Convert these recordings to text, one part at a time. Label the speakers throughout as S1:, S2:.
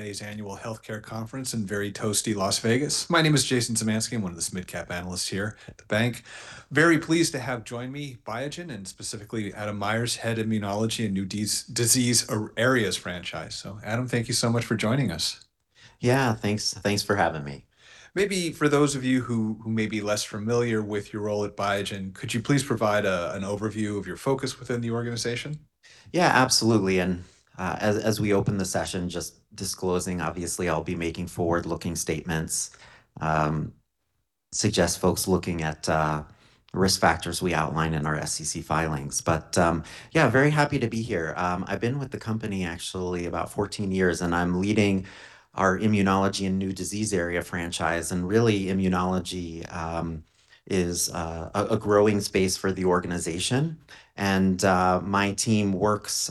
S1: Annual healthcare conference in very toasty Las Vegas. My name is Jason Zemansky. I'm one of the mid-cap analysts here at the bank. Very pleased to have join me Biogen, and specifically Adam Meyers, Head Immunology and New Disease Areas Franchise. Adam, thank you so much for joining us.
S2: Yeah, thanks. Thanks for having me.
S1: Maybe for those of you who may be less familiar with your role at Biogen, could you please provide an overview of your focus within the organization?
S2: Yeah, absolutely. As we open the session, just disclosing, obviously I'll be making forward-looking statements, suggest folks looking at risk factors we outline in our SEC filings. Yeah, very happy to be here. I've been with the company actually about 14 years, and I'm leading our immunology and new disease area franchise. Really, immunology is a growing space for the organization. My team works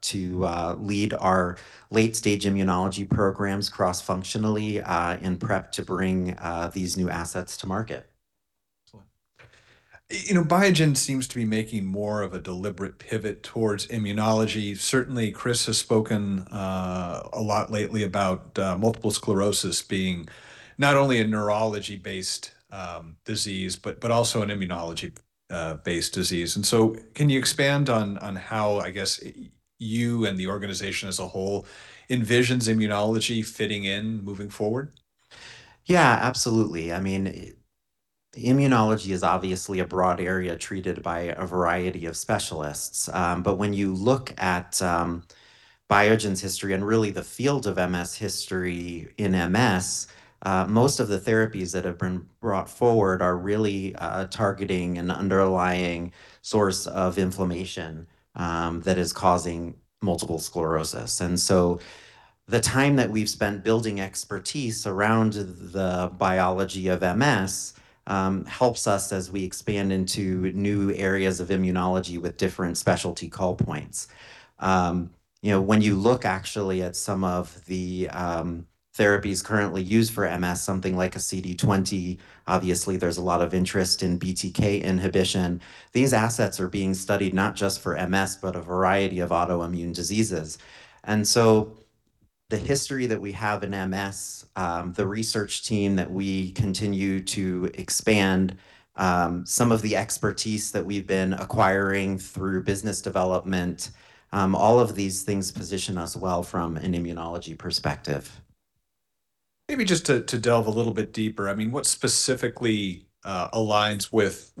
S2: to lead our late-stage immunology programs cross-functionally in prep to bring these new assets to market.
S1: Excellent. You know, Biogen seems to be making more of a deliberate pivot towards immunology. Certainly Chris has spoken a lot lately about multiple sclerosis being not only a neurology-based disease, but also an immunology-based disease. Can you expand on how, I guess, you and the organization as a whole envisions immunology fitting in moving forward?
S2: Yeah, absolutely. I mean, immunology is obviously a broad area treated by a variety of specialists. When you look at Biogen's history, and really the field of MS, history in MS, most of the therapies that have been brought forward are really targeting an underlying source of inflammation that is causing multiple sclerosis. The time that we've spent building expertise around the biology of MS helps us as we expand into new areas of immunology with different specialty call points. You know, when you look actually at some of the therapies currently used for MS, something like a CD20, obviously there's a lot of interest in BTK inhibition. These assets are being studied not just for MS, but a variety of autoimmune diseases. The history that we have in MS, the research team that we continue to expand, some of the expertise that we've been acquiring through business development, all of these things position us well from an immunology perspective.
S1: Maybe just to delve a little bit deeper, I mean, what specifically aligns with,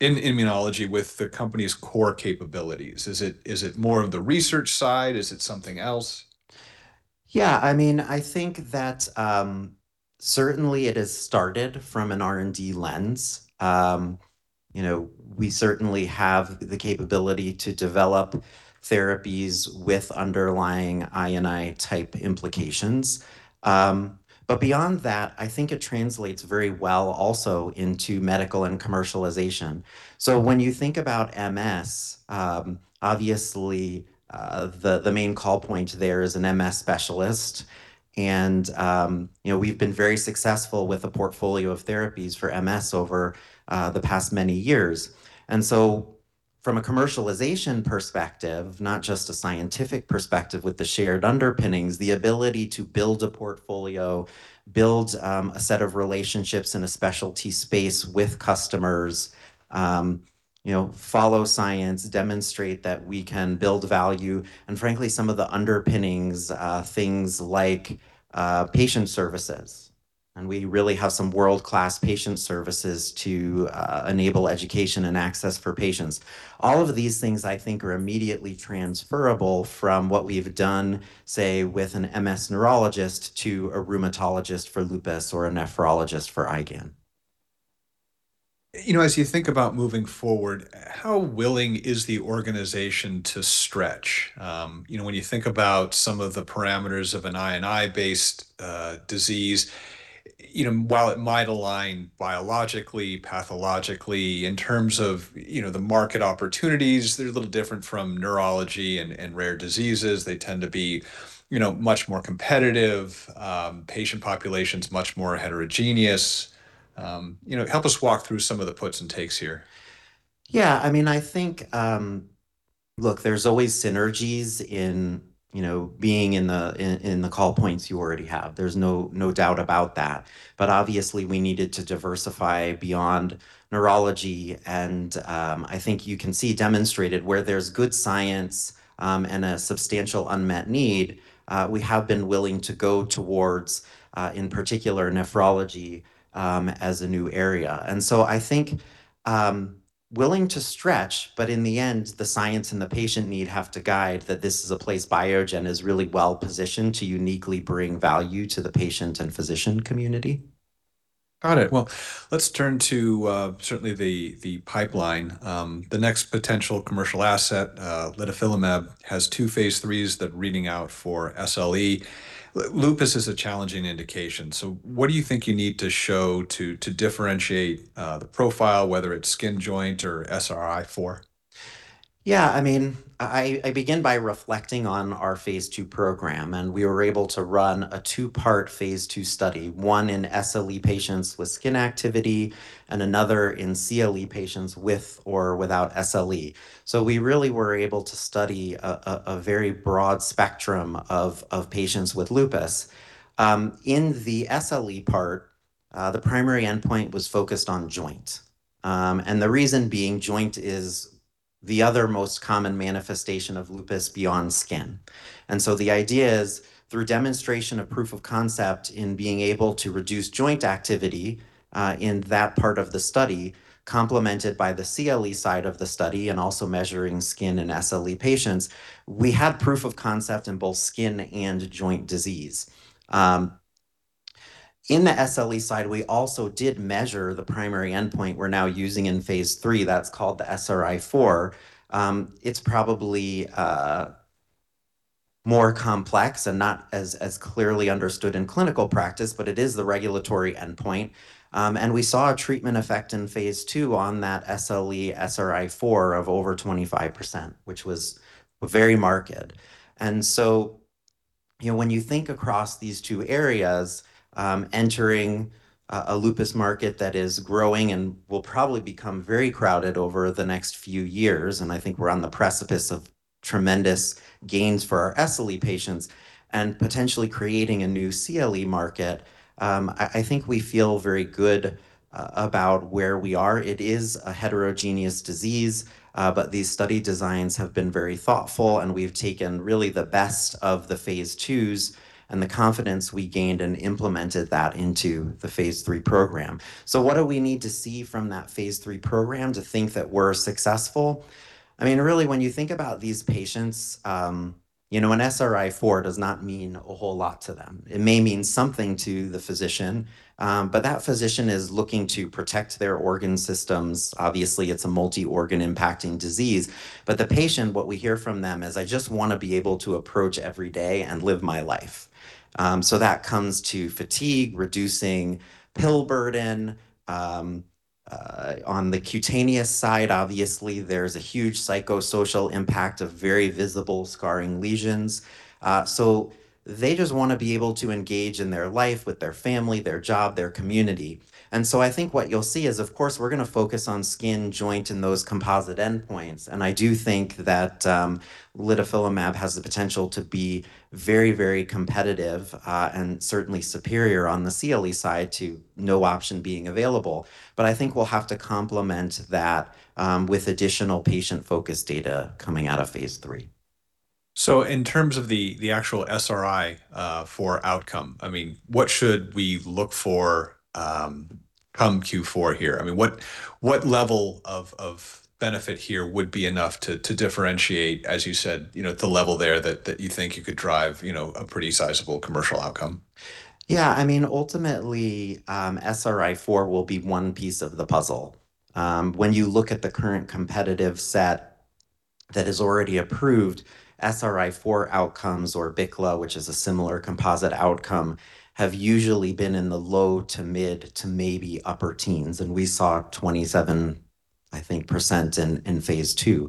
S1: in immunology with the company's core capabilities? Is it more of the research side? Is it something else?
S2: I mean, I think that, certainly it has started from an R&D lens. You know, we certainly have the capability to develop therapies with underlying I&I type implications. Beyond that, I think it translates very well also into medical and commercialization. When you think about MS, obviously, the main call point there is an MS specialist. You know, we've been very successful with a portfolio of therapies for MS over the past many years. From a commercialization perspective, not just a scientific perspective with the shared underpinnings, the ability to build a portfolio, build a set of relationships in a specialty space with customers, you know, follow science, demonstrate that we can build value, and frankly some of the underpinnings, things like patient services, and we really have some world-class patient services to enable education and access for patients. All of these things I think are immediately transferable from what we've done, say, with an MS neurologist to a rheumatologist for lupus or a nephrologist for IgAN.
S1: You know, as you think about moving forward, how willing is the organization to stretch? You know, when you think about some of the parameters of an I&I based disease, you know, while it might align biologically, pathologically, in terms of, you know, the market opportunities, they're a little different from neurology and rare diseases. They tend to be, you know, much more competitive, patient populations much more heterogeneous. You know, help us walk through some of the puts and takes here.
S2: Yeah, I mean, I think, look, there's always synergies in, you know, being in the call points you already have. There's no doubt about that. Obviously we needed to diversify beyond neurology, and I think you can see demonstrated where there's good science and a substantial unmet need, we have been willing to go towards in particular nephrology as a new area. I think, willing to stretch, but in the end the science and the patient need have to guide that this is a place Biogen is really well positioned to uniquely bring value to the patient and physician community.
S1: Got it. Well, let's turn to certainly the pipeline. The next potential commercial asset, litifilimab, has two phase III that are reading out for SLE. Lupus is a challenging indication. What do you think you need to show to differentiate the profile, whether it's skin joint or SRI-4?
S2: Yeah, I mean, I begin by reflecting on our phase II program, and we were able to run a two-part phase II study, one in SLE patients with skin activity, and another in CLE patients with or without SLE. We really were able to study a very broad spectrum of patients with lupus. In the SLE part, the primary endpoint was focused on joint. The reason being, joint is the other most common manifestation of lupus beyond skin. The idea is through demonstration of proof of concept in being able to reduce joint activity in that part of the study, complemented by the CLE side of the study and also measuring skin in SLE patients, we have proof of concept in both skin and joint disease. In the SLE side, we also did measure the primary endpoint we're now using in phase III. That's called the SRI-4. It's probably more complex and not as clearly understood in clinical practice, but it is the regulatory endpoint. We saw a treatment effect in phase II on that SLE SRI-4 of over 25%, which was very marked. You know, when you think across these two areas, entering a lupus market that is growing and will probably become very crowded over the next few years, and I think we're on the precipice of tremendous gains for our SLE patients and potentially creating a new CLE market, I think we feel very good about where we are. It is a heterogeneous disease, these study designs have been very thoughtful, and we've taken really the best of the phase IIs and the confidence we gained and implemented that into the phase III program. What do we need to see from that phase III program to think that we're successful? I mean, really when you think about these patients, you know, an SRI-4 does not mean a whole lot to them. It may mean something to the physician, that physician is looking to protect their organ systems. Obviously, it's a multi-organ impacting disease. The patient, what we hear from them is, "I just wanna be able to approach every day and live my life." That comes to fatigue, reducing pill burden. On the cutaneous side, obviously, there's a huge psychosocial impact of very visible scarring lesions. They just wanna be able to engage in their life with their family, their job, their community. I think what you'll see is, of course, we're gonna focus on skin, joint, and those composite endpoints. I do think that litifilimab has the potential to be very, very competitive, and certainly superior on the CLE side to no option being available. I think we'll have to complement that with additional patient-focused data coming out of phase III.
S1: In terms of the actual SRI for outcome, I mean, what should we look for, come Q4 here? I mean, what level of benefit here would be enough to differentiate, as you said, you know, the level there that you think you could drive, you know, a pretty sizable commercial outcome?
S2: I mean, ultimately, SRI-4 will be one piece of the puzzle. When you look at the current competitive set that is already approved, SRI-4 outcomes or BICLA, which is a similar composite outcome, have usually been in the low to mid to maybe upper teens, and we saw 27%, I think, in phase II.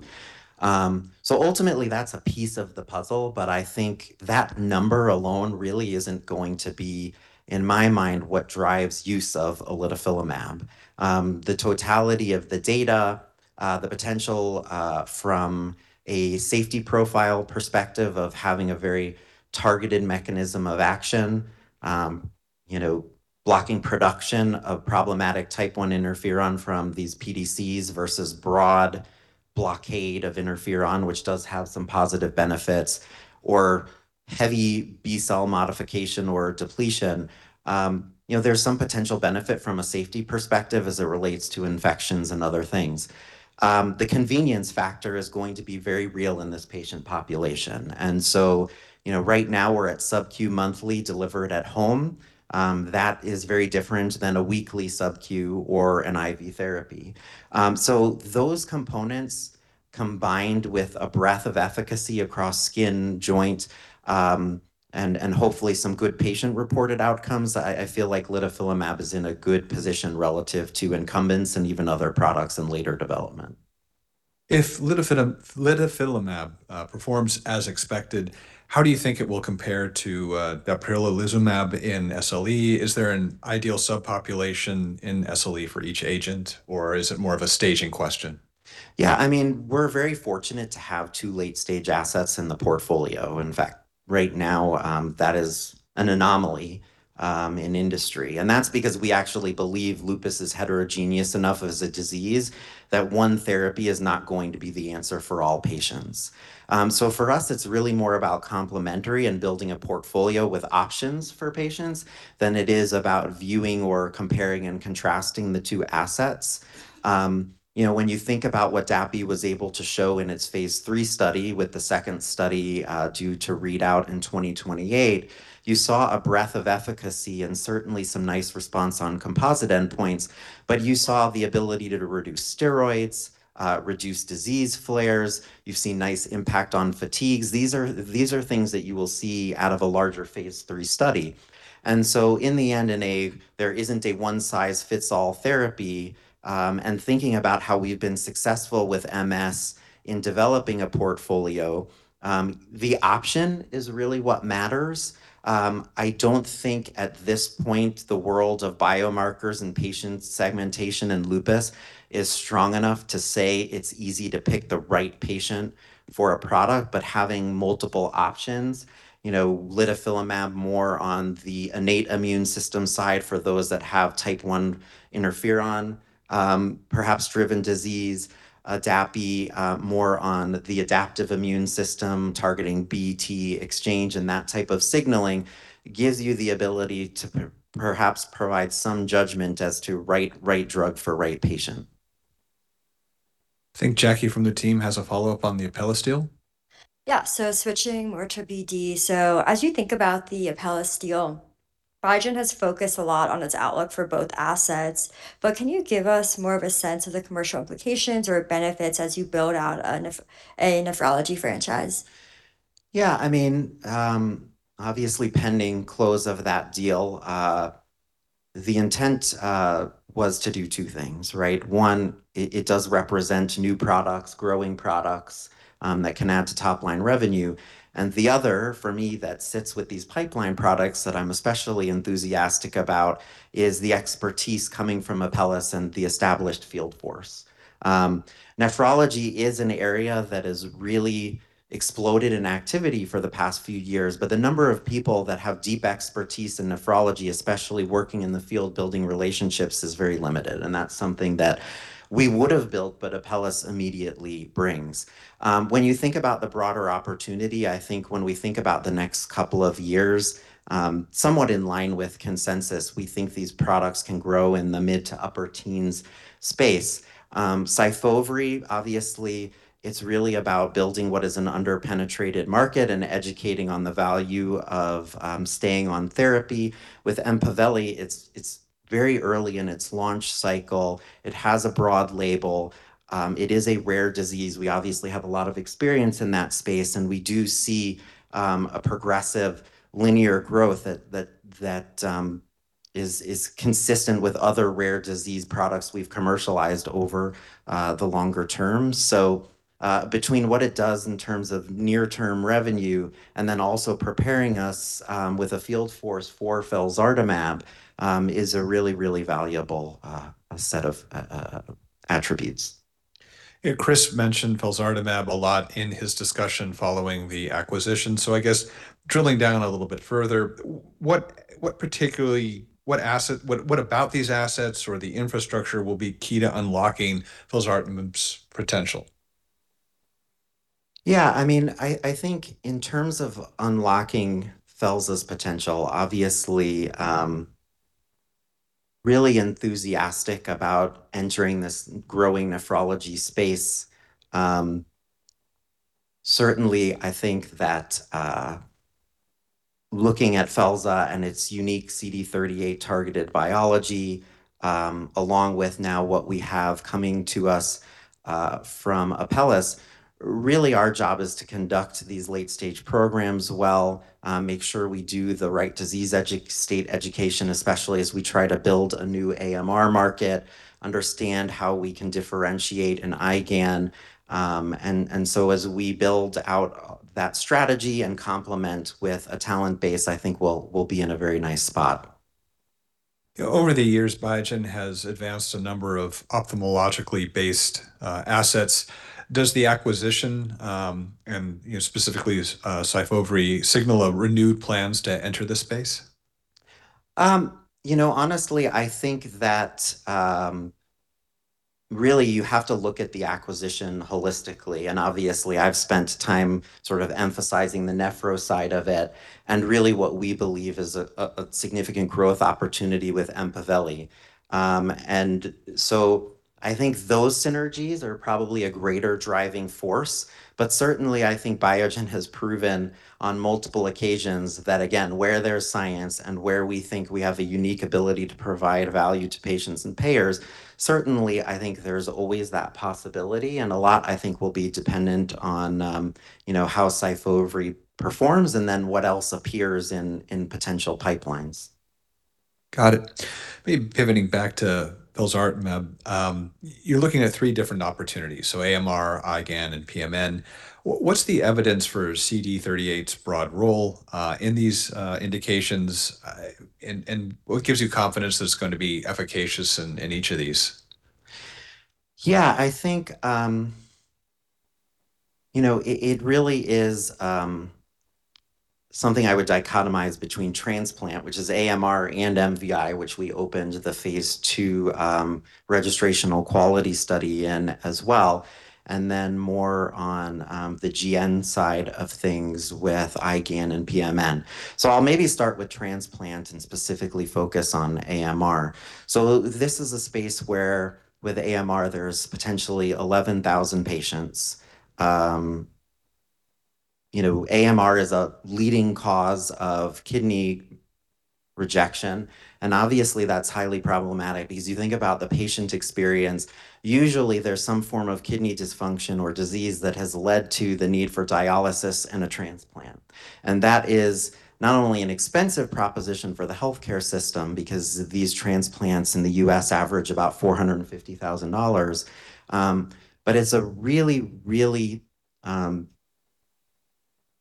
S2: Ultimately, that's a piece of the puzzle, but I think that number alone really isn't going to be, in my mind, what drives use of litifilimab. The totality of the data, the potential, from a safety profile perspective of having a very targeted mechanism of action, you know, blocking production of problematic type 1 interferon from these pDCs versus broad blockade of interferon, which does have some positive benefits, or heavy B-cell modification or depletion. You know, there's some potential benefit from a safety perspective as it relates to infections and other things. The convenience factor is going to be very real in this patient population. You know, right now we're at subQ monthly delivered at home. That is very different than a weekly subQ or an IV therapy. So those components combined with a breadth of efficacy across skin, joint, and hopefully some good patient-reported outcomes, I feel like litifilimab is in a good position relative to incumbents and even other products in later development.
S1: If litifilimab performs as expected, how do you think it will compare to dapirolizumab in SLE? Is there an ideal subpopulation in SLE for each agent, or is it more of a staging question?
S2: Yeah. I mean, we're very fortunate to have two late-stage assets in the portfolio. In fact, right now, that is an anomaly in industry, and that's because we actually believe lupus is heterogeneous enough as a disease that one therapy is not going to be the answer for all patients. For us, it's really more about complementary and building a portfolio with options for patients than it is about viewing or comparing and contrasting the two assets. You know, when you think about what Dappy was able to show in its phase III study with the second study, due to read out in 2028, you saw a breadth of efficacy and certainly some nice response on composite endpoints, but you saw the ability to reduce steroids, reduce disease flares. You've seen nice impact on fatigue. These are things that you will see out of a larger phase III study. In the end, there isn't a one-size-fits-all therapy, and thinking about how we've been successful with MS in developing a portfolio, the option is really what matters. I don't think at this point the world of biomarkers and patient segmentation in lupus is strong enough to say it's easy to pick the right patient for a product, but having multiple options, you know, litifilimab more on the innate immune system side for those that have type one interferon, perhaps driven disease, Dappy more on the adaptive immune system targeting BT exchange and that type of signaling gives you the ability to perhaps provide some judgment as to right drug for right patient.
S1: I think Jackie from the team has a follow-up on the APRILs deal.
S3: Switching over to BD. As you think about the APRILs deal, Biogen has focused a lot on its outlook for both assets, but can you give us more of a sense of the commercial implications or benefits as you build out a nephrology franchise?
S2: Yeah, I mean, obviously pending close of that deal, the intent was to do two things, right? One, it does represent new products, growing products, that can add to top-line revenue. The other, for me, that sits with these pipeline products that I'm especially enthusiastic about is the expertise coming from Apellis and the established field force. Nephrology is an area that has really exploded in activity for the past few years, but the number of people that have deep expertise in nephrology, especially working in the field building relationships, is very limited, and that's something that we would have built, but Apellis immediately brings. When you think about the broader opportunity, I think when we think about the next couple of years, somewhat in line with consensus, we think these products can grow in the mid to upper teens space. SYFOVRE, obviously, it's really about building what is an under-penetrated market and educating on the value of staying on therapy. With EMPAVELI, it's very early in its launch cycle. It has a broad label. It is a rare disease. We obviously have a lot of experience in that space, and we do see a progressive linear growth that is consistent with other rare disease products we've commercialized over the longer term. Between what it does in terms of near-term revenue and then also preparing us with a field force for felzartamab is a really valuable set of attributes.
S1: Yeah, Chris mentioned felzartamab a lot in his discussion following the acquisition. I guess drilling down a little bit further, what particularly, what asset, what about these assets or the infrastructure will be key to unlocking felzartamab's potential?
S2: I mean, I think in terms of unlocking Felza's potential, obviously, really enthusiastic about entering this growing nephrology space. Certainly, I think that, looking at Felza and its unique CD38 targeted biology, along with now what we have coming to us from Apellis, really our job is to conduct these late-stage programs well, make sure we do the right disease state education, especially as we try to build a new AMR market, understand how we can differentiate an IgAN. As we build out that strategy and complement with a talent base, I think we'll be in a very nice spot.
S1: Over the years, Biogen has advanced a number of ophthalmologically based, assets. Does the acquisition, and, you know, specifically, SYFOVRE signal, renewed plans to enter this space?
S2: You know, honestly, I think that really you have to look at the acquisition holistically, and obviously I've spent time sort of emphasizing the nephro side of it and really what we believe is a significant growth opportunity with EMPAVELI. I think those synergies are probably a greater driving force. Certainly, I think Biogen has proven on multiple occasions that, again, where there's science and where we think we have a unique ability to provide value to patients and payers, certainly I think there's always that possibility, and a lot, I think, will be dependent on, you know, how SYFOVRE performs and then what else appears in potential pipelines.
S1: Got it. Maybe pivoting back to felzartamab, you're looking at three different opportunities, so AMR, IgAN, and PMN. What's the evidence for CD38's broad role in these indications, and what gives you confidence that it's going to be efficacious in each of these?
S2: I think, you know, it really is something I would dichotomize between transplant, which is AMR and MVI, which we opened the phase II registrational quality study in as well, and more on the GN side of things with IgAN and PMN. I'll maybe start with transplant and specifically focus on AMR. This is a space where with AMR, there's potentially 11,000 patients. You know, AMR is a leading cause of kidney rejection. Obviously that's highly problematic because you think about the patient experience, usually there's some form of kidney dysfunction or disease that has led to the need for dialysis and a transplant. That is not only an expensive proposition for the healthcare system because these transplants in the U.S. average about $450,000, but it's a really, really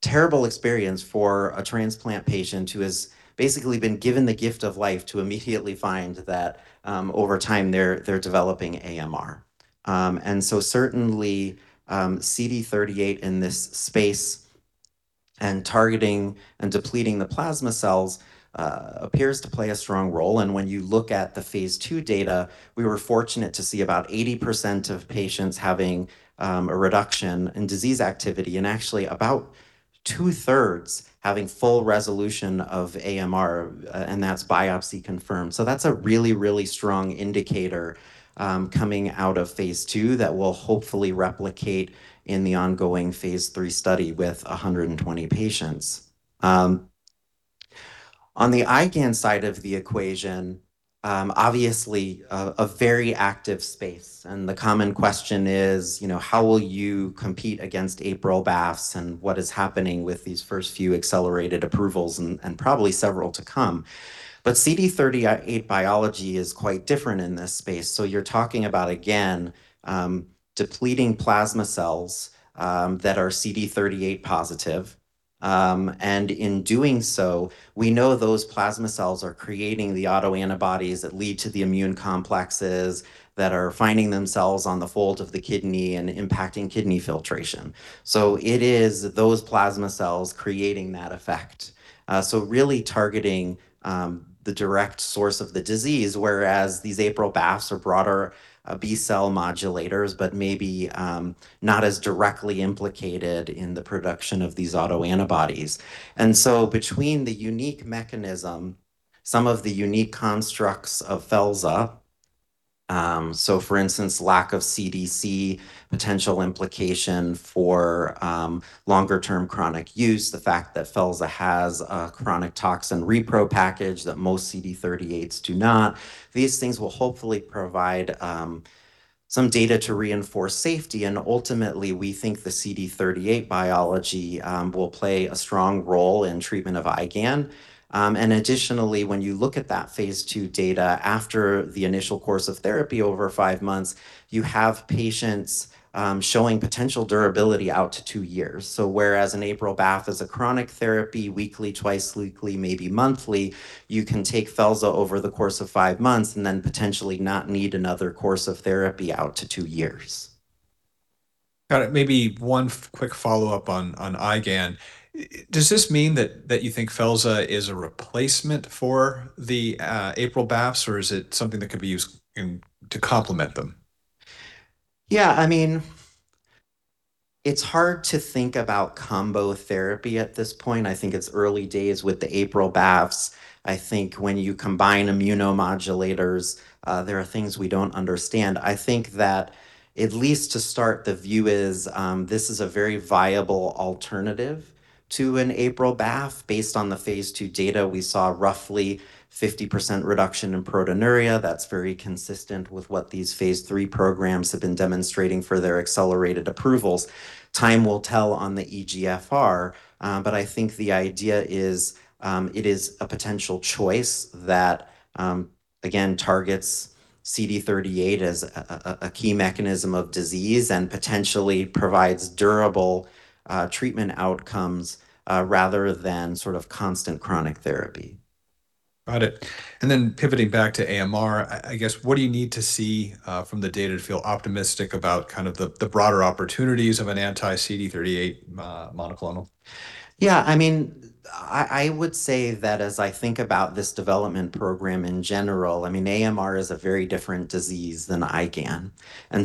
S2: terrible experience for a transplant patient who has basically been given the gift of life to immediately find that over time they're developing AMR. Certainly, CD38 in this space and targeting and depleting the plasma cells appears to play a strong role. When you look at the phase II data, we were fortunate to see about 80% of patients having a reduction in disease activity and actually 2/3 having full resolution of AMR, and that's biopsy confirmed. That's a really, really strong indicator coming out of phase II that will hopefully replicate in the ongoing phase III study with 120 patients. On the IgAN side of the equation, obviously, a very active space, and the common question is, you know, how will you compete against Apellis and what is happening with these first few accelerated approvals and probably several to come. CD38 biology is quite different in this space. You're talking about, again, depleting plasma cells that are CD38 positive. In doing so, we know those plasma cells are creating the autoantibodies that lead to the immune complexes that are finding themselves on the fold of the kidney and impacting kidney filtration. It is those plasma cells creating that effect. Really targeting the direct source of the disease, whereas these APRIL are broader, a B-cell modulators, but maybe not as directly implicated in the production of these autoantibodies. Between the unique mechanism, some of the unique constructs of Felza, so for instance, lack of CDC potential implication for longer-term chronic use, the fact that Felza has a chronic tox and repro package that most CD38s do not, these things will hopefully provide some data to reinforce safety. Ultimately, we think the CD38 biology will play a strong role in treatment of IgAN. When you look at that phase II data after the initial course of therapy over five months, you have patients showing potential durability out to two years. An APRIL mab is a chronic therapy, weekly, twice weekly, maybe monthly, you can take Felza over the course of 5 months and then potentially not need another course of therapy out to 2 years.
S1: Got it. Maybe one quick follow-up on IgAN. Does this mean that you think Felza is a replacement for the APRIL, or is it something that could be used to complement them?
S2: Yeah, I mean, it's hard to think about combo therapy at this point. I think it's early days with the Apellis. I think when you combine immunomodulators, there are things we don't understand. I think that at least to start, the view is, this is a very viable alternative to an APRIL. Based on the phase II data, we saw roughly 50% reduction in proteinuria. That's very consistent with what these phase III programs have been demonstrating for their accelerated approvals. Time will tell on the eGFR. I think the idea is, it is a potential choice that, again, targets CD38 as a key mechanism of disease and potentially provides durable treatment outcomes rather than sort of constant chronic therapy.
S1: Got it. Pivoting back to AMR, I guess, what do you need to see from the data to feel optimistic about kind of the broader opportunities of an anti-CD38 monoclonal?
S2: I mean, I would say that as I think about this development program in general, I mean, AMR is a very different disease than IgAN.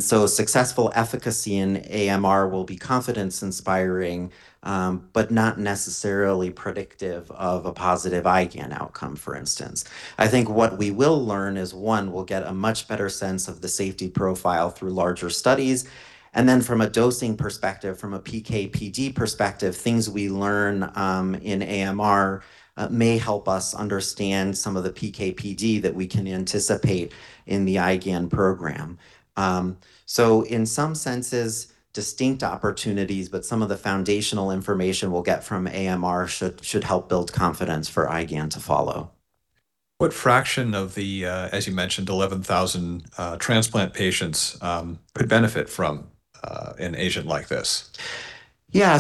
S2: So successful efficacy in AMR will be confidence inspiring, but not necessarily predictive of a positive IgAN outcome, for instance. I think what we will learn is, one, we'll get a much better sense of the safety profile through larger studies. Then from a dosing perspective, from a PK/PD perspective, things we learn in AMR may help us understand some of the PK/PD that we can anticipate in the IgAN program. In some senses, distinct opportunities, but some of the foundational information we'll get from AMR should help build confidence for IgAN to follow.
S1: What fractional of the as you mentioned, 11,000 transplant patients could benefit from an agent like this?
S2: Yeah,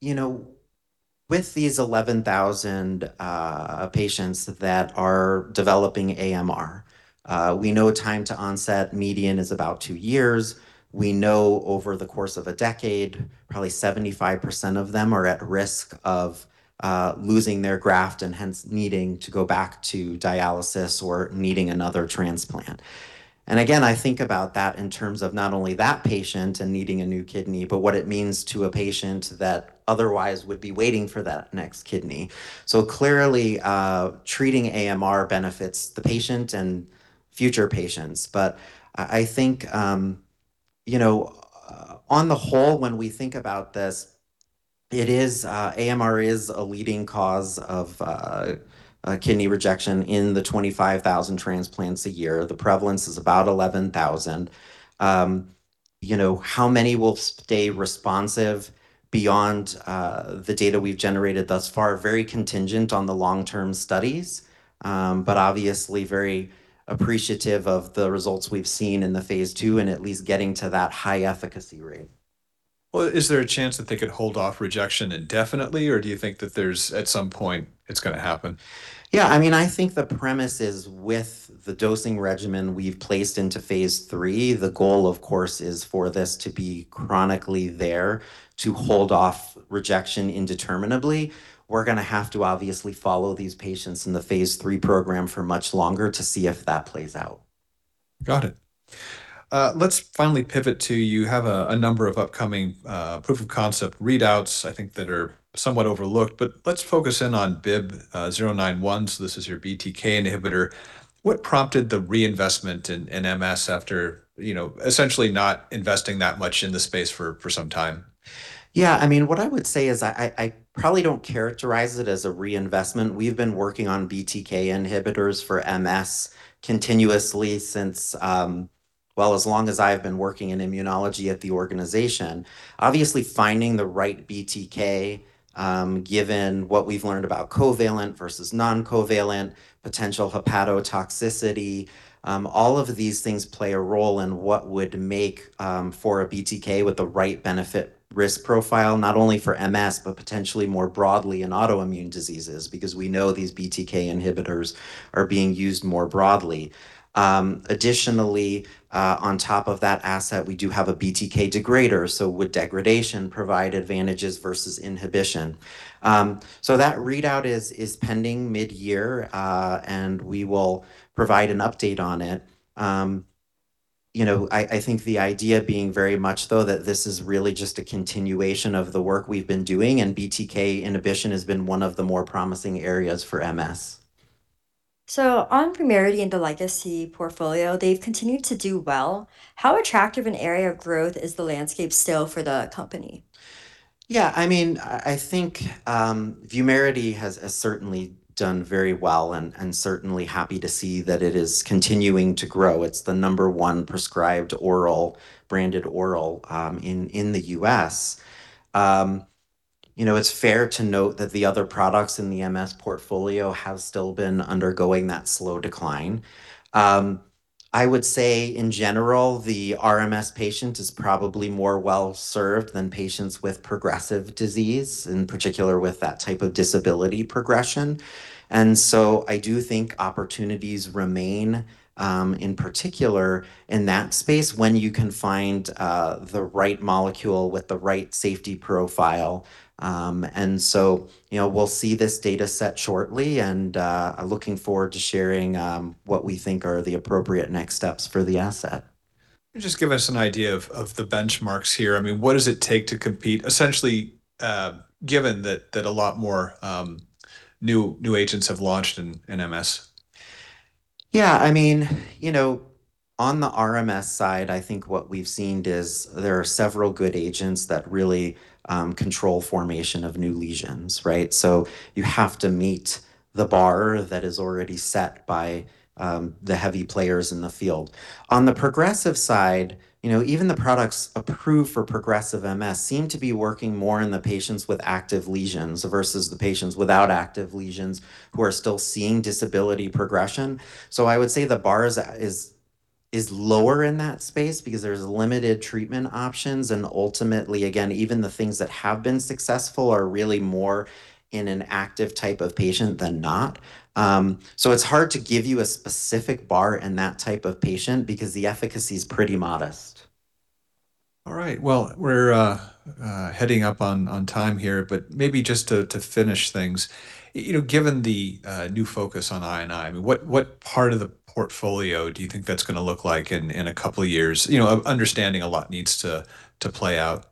S2: you know, with these 11,000 patients that are developing AMR, we know time to onset median is about two years. We know over the course of a decade, probably 75% of them are at risk of losing their graft and hence needing to go back to dialysis or needing another transplant. Again, I think about that in terms of not only that patient and needing a new kidney, but what it means to a patient that otherwise would be waiting for that next kidney. Clearly, treating AMR benefits the patient and future patients. I think, you know, on the whole, when we think about this, it is, AMR is a leading cause of kidney rejection in the 25,000 transplants a year. The prevalence is about 11,000. You know, how many will stay responsive beyond the data we've generated thus far, very contingent on the long-term studies, but obviously very appreciative of the results we've seen in the phase II and at least getting to that high efficacy rate.
S1: Well, is there a chance that they could hold off rejection indefinitely, or do you think that there's, at some point, it's gonna happen?
S2: Yeah, I mean, I think the premise is with the dosing regimen we've placed into phase III, the goal, of course, is for this to be chronically there to hold off rejection indeterminably. We're going to have to obviously follow these patients in the phase III program for much longer to see if that plays out.
S1: Got it. Let's finally pivot to you have a number of upcoming proof of concept readouts, I think, that are somewhat overlooked, but let's focus in on BIIB091. This is your BTK inhibitor. What prompted the reinvestment in MS after, you know, essentially not investing that much in the space for some time?
S2: Yeah, I mean, what I would say is I probably don't characterize it as a reinvestment. We've been working on BTK inhibitors for MS continuously since, well, as long as I've been working in immunology at the organization. Obviously, finding the right BTK, given what we've learned about covalent versus non-covalent, potential hepatotoxicity, all of these things play a role in what would make for a BTK with the right benefit risk profile, not only for MS, but potentially more broadly in autoimmune diseases, because we know these BTK inhibitors are being used more broadly. Additionally, on top of that asset, we do have a BTK degrader, so would degradation provide advantages versus inhibition? That readout is pending mid-year, and we will provide an update on it. You know, I think the idea being very much though that this is really just a continuation of the work we've been doing, and BTK inhibition has been one of the more promising areas for MS.
S3: On VUMERITY and the legacy portfolio, they've continued to do well. How attractive an area of growth is the landscape still for the company?
S2: I think VUMERITY has certainly done very well and certainly happy to see that it is continuing to grow. It's the number 1 prescribed oral, branded oral, in the U.S. You know, it's fair to note that the other products in the MS portfolio have still been undergoing that slow decline. I would say, in general, the RMS patient is probably more well-served than patients with progressive disease, in particular with that type of disability progression. I do think opportunities remain in particular in that space when you can find the right molecule with the right safety profile. You know, we'll see this data set shortly, looking forward to sharing what we think are the appropriate next steps for the asset.
S1: Just give us an idea of the benchmarks here. I mean, what does it take to compete, essentially, given that a lot more new agents have launched in MS?
S2: I mean, you know, on the RMS side, I think what we've seen is there are several good agents that really control formation of new lesions, right? You have to meet the bar that is already set by the heavy players in the field. On the progressive side, you know, even the products approved for progressive MS seem to be working more in the patients with active lesions versus the patients without active lesions who are still seeing disability progression. I would say the bar is lower in that space because there's limited treatment options, and ultimately, again, even the things that have been successful are really more in an active type of patient than not. It's hard to give you a specific bar in that type of patient because the efficacy is pretty modest.
S1: All right, well, we're heading up on time here, but maybe just to finish things, you know, given the new focus on I&I mean, what part of the portfolio do you think that's gonna look like in a couple of years? You know, understanding a lot needs to play out.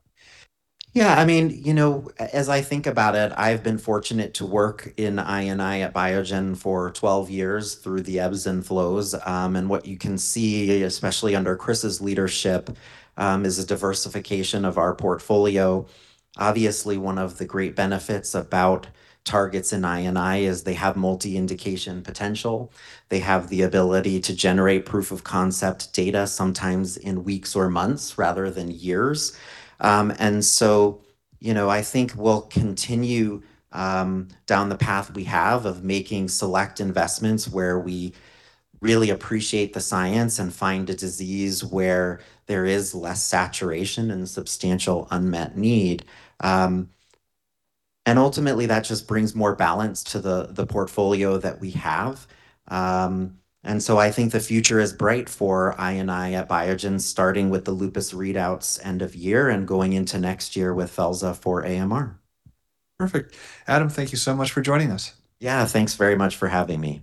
S2: Yeah, I mean, you know, as I think about it, I've been fortunate to work in I&I at Biogen for 12 years through the ebbs and flows. What you can see, especially under Chris's leadership, is a diversification of our portfolio. Obviously, one of the great benefits about targets in I&I is they have multi-indication potential. They have the ability to generate proof of concept data, sometimes in weeks or months rather than years. You know, I think we'll continue down the path we have of making select investments where we really appreciate the science and find a disease where there is less saturation and substantial unmet need. Ultimately, that just brings more balance to the portfolio that we have. I think the future is bright for I&I at Biogen, starting with the lupus readouts end of year and going into next year with Felza for AMR.
S1: Perfect. Adam, thank you so much for joining us.
S2: Yeah, thanks very much for having me.